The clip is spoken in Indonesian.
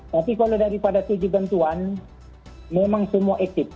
tapi kalau daripada tujuh bantuan memang semua exit